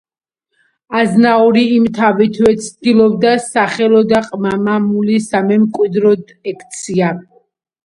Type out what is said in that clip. აზნაური იმთავითვე ცდილობდა სახელო და ყმა-მამული სამემკვიდრეოდ ექცია.